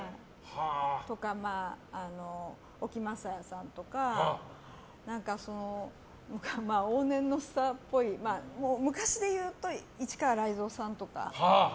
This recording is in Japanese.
沖雅也さんとか往年のスターっぽい昔でいうと、市川雷蔵さんとか。